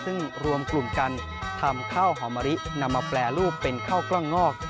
ซึ่งรวมกลุ่มกันทำข้าวหอมะรินำมาแปรรูปเป็นข้าวกล้องงอก